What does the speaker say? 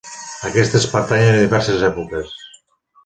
Aquests pertanyen a diverses èpoques.